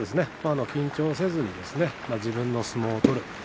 緊張せずに自分の相撲を取る。